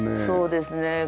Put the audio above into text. そうですね。